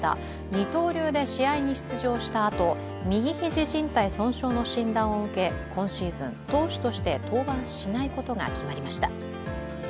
二刀流で試合に出場したあと、右肘じん帯損傷の診断を受け、今シーズン投手として登板しないことが決まりました。